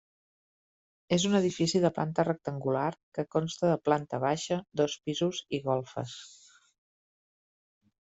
És un edifici de planta rectangular que consta de planta baixa, dos pisos i golfes.